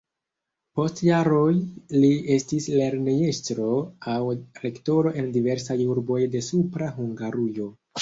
Post jaroj li estis lernejestro aŭ rektoro en diversaj urboj de Supra Hungarujo.